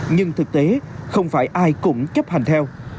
nhưng thực tế không phải ai cũng chấp hành